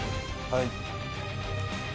はい。